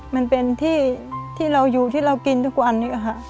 มันเป็นที่เราอยู่ที่เรากินทุกวันนี้ค่ะ